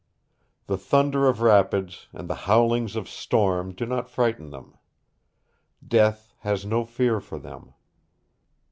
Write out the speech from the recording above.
The thunder of rapids and the howlings of storm do not frighten them. Death has no fear for them.